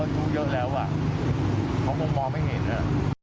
อายุเยอะแล้วอ่ะเขาคงมองไม่เห็นอ่ะ